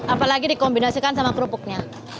apalagi dikombinasikan sama kerupuknya